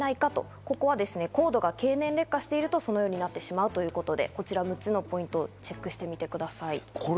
ここはコードが経年劣化していると、そのようになってしまうということで、こちら６つのポイントをチェックしてみてください。